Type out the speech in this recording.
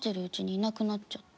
「いなくなっちゃって」。